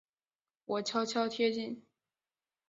我悄悄贴近